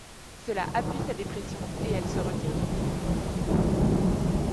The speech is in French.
Cela appuie sa dépression et elle se retire d'une vie publique.